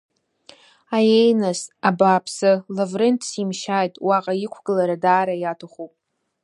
Аиеи, нас, абааԥсы, Лаврент симшьааит, уаҟа иқәгылара даара иаҭахуп.